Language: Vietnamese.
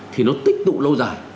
thì nó tích tụ lâu dài